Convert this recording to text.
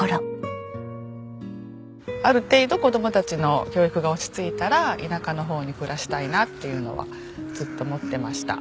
ある程度子どもたちの教育が落ち着いたら田舎の方に暮らしたいなっていうのはずっと思ってました。